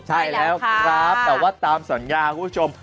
ใช่แล้วครับแต่ว่าตามสัญญาคุณผู้ชม